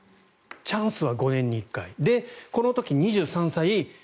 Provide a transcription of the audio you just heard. チャンスは５年に１回でこの時、２３歳。